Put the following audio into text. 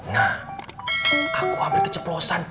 nah aku hampir keceplosan beb